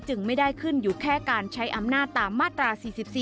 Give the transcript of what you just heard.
ไม่ได้ขึ้นอยู่แค่การใช้อำนาจตามมาตรา๔๔